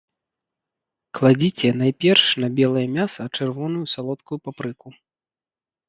Кладзіце найперш на белае мяса чырвоную салодкую папрыку.